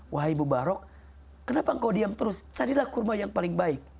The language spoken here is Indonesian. wahai mubarok kenapa kau diam terus carilah kurma yang paling baik